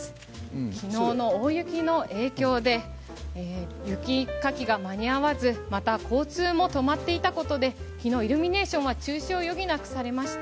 昨日の大雪の影響で雪かきが間に合わず、また交通も止まっていたことで昨日、イルミネーションは中止を余儀なくされました。